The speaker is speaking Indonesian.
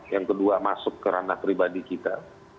yang kedua masuk ke ranah pribadi kita